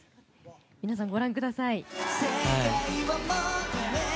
皆さん、ご覧ください。